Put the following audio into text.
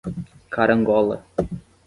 Carangola